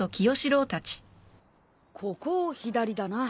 ここを左だな。